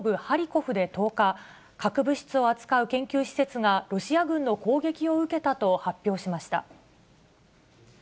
ハリコフで１０日、核物質を扱う研究施設がロシア軍の攻撃を受けたと発表しました。